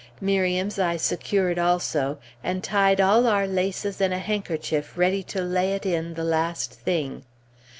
Miriam's I secured also, and tied all our laces in a handkerchief ready to lay it in the last thing.